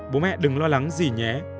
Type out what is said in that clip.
bố mẹ đừng lo lắng gì nhé